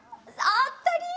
あったり！